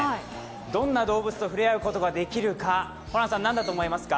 どんな動物と触れ合うことができるか、何だと思いますか？